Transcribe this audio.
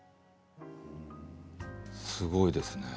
すごいですね。